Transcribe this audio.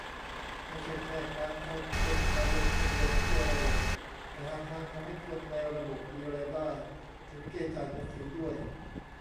ไม่ใช่แค่การเอาคนมาลงทะเบียนเข้าระบบ แต่หาทางทำให้คนในระบบมีรายได้ถึงเกณฑ์จ่ายภาษีด้วย